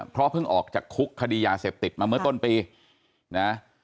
เพราะเพิ่งออกจากคุกคดียาเสพติดมาเมื่อต้นปีนะ